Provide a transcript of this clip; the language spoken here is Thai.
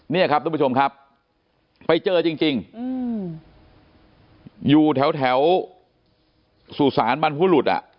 นี่ครับทุกผู้ชมครับไปเจอจริงอยู่แถวสุสานบรรพุรุษอ่ะ